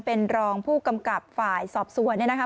เป็นรองผู้กำกับฝ่ายสอบสวนเนี่ยนะคะ